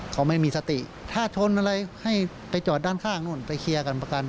เขาไม่มีสติถ้าชนอะไรให้ไปจอดด้านข้างนู่นไปเคลียร์กันประกัน